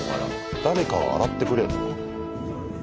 誰かが洗ってくれるのか。